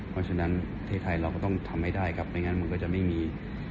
ว่าฉะนั้นเทศไทยเราก็ต้องทำให้ได้กับดังนั้นมันก็จะไม่มี